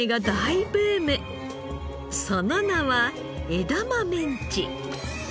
その名はえだまメンチ。